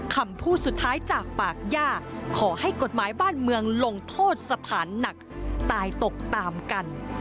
คำพูดสุดท้ายจากปากย่าขอให้กฎหมายบ้านเมืองลงโทษสถานหนักตายตกตามกัน